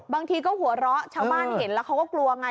บางทีก็หัวเราะชาวบ้านเห็นแล้วเขาก็กลัวไง